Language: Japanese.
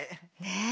ねえ。